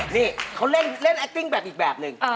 นี่เขาเล่นแอคติ้งแบบอีกแบบหนึ่ง